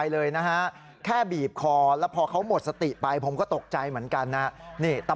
ส่วนเกียรติก็ตีผมอย่างนี้ครับ